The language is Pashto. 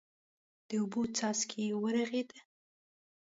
د اوبو څاڅکی ورغړېد.